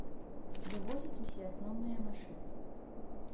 Вывозяць усе асноўныя машыны.